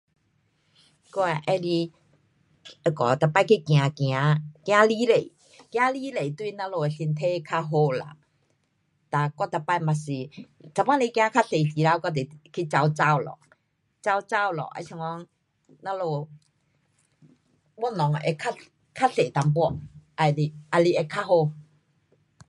我会喜欢每次去走走。走越多，走越多对我们的身体较好啦。哒，我每次也是去走较多跑跑咯。